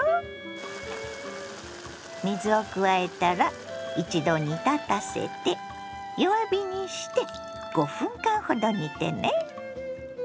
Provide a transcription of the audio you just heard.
水を加えたら一度煮立たせて弱火にして５分間ほど煮てね。